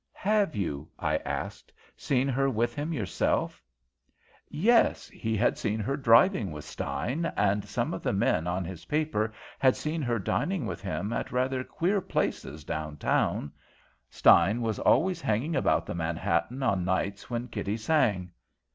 "'Have you,' I asked, 'seen her with him, yourself?' "Yes, he had seen her driving with Stein, and some of the men on his paper had seen her dining with him at rather queer places down town. Stein was always hanging about the Manhattan on nights when Kitty sang.